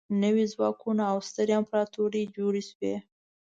نوي ځواکونه او سترې امپراطورۍ جوړې شوې.